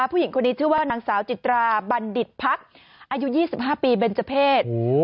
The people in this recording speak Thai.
ผู้หญิงคนนี้ชื่อว่านางสาวจิตราบัณฑิตพักอายุ๒๕ปีเบนเจอร์เพศ